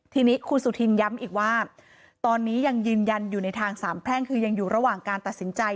ทีนี้คุณสุธินย้ำอีกว่าตอนนี้ยังยืนยันอยู่ในทางสามแพร่งคือยังอยู่ระหว่างการตัดสินใจ